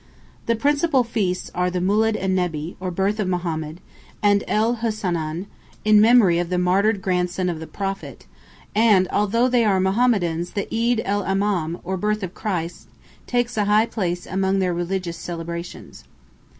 The principal feasts are the "Mūled en Nebbi," or birth of Mohammed, and "El Hussanên," in memory of the martyred grandson of the Prophet, and although they are Mohammedans the "Eed el Imam," or birth of Christ, takes a high place among their religious celebrations.